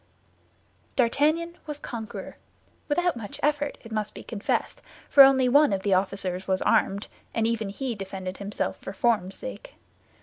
D'Artagnan was conqueror—without much effort, it must be confessed, for only one of the officers was armed, and even he defended himself for form's sake.